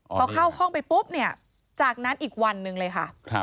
พอเข้าห้องไปปุ๊บเนี่ยจากนั้นอีกวันหนึ่งเลยค่ะ